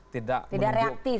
tidak reaktif ya